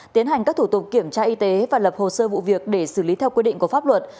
tiến hành các thủ tục kiểm tra y tế và lập hồ sơ vụ việc để xử lý theo quy định của pháp luật